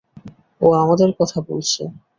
ও আমাদের কথা বলছে।